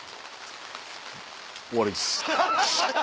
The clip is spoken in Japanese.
終わりです。